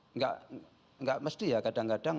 enggak enggak mesti ya kadang kadang